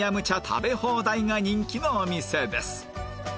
食べ放題が人気のお店です